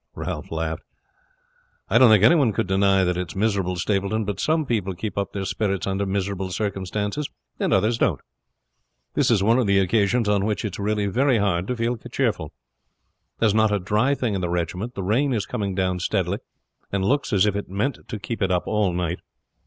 Ralph laughed. "I don't think any one could deny that it is miserable, Stapleton; but some people keep up their spirits under miserable circumstances and others don't. This is one of the occasions on which it is really very hard to feel cheerful. There is not a dry thing in the regiment; the rain is coming down steadily and looks as if it meant to keep it up all night.